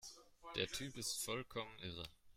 Der Typ ist vollkommen irre